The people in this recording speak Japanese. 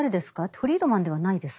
フリードマンではないです。